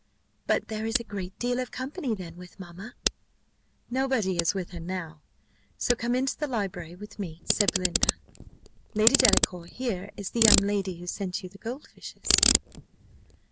"But there is a great deal of company, then, with mamma?" "Nobody is with her now: so come into the library with me," said Belinda. "Lady Delacour, here is the young lady who sent you the gold fishes."